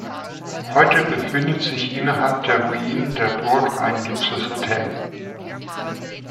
Heute befindet sich innerhalb der Ruinen der Burg ein Luxushotel.